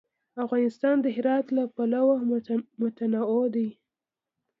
افغانستان د هرات له پلوه متنوع دی.